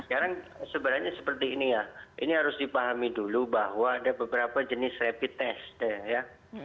sekarang sebenarnya seperti ini ya ini harus dipahami dulu bahwa ada beberapa jenis rapid test ya